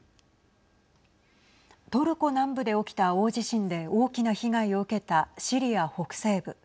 トルコ南部で起きた大地震で大きな被害を受けたシリア北西部。